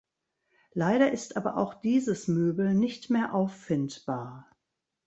Leider ist aber auch dieses Möbel nicht mehr auffindbar.